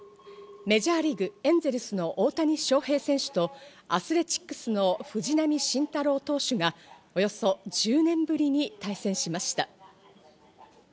メジャーリーグ、エンゼルスの大谷翔平選手とアスレチックスの藤浪晋太郎投手がおよそ１０年ぶりに対戦しました。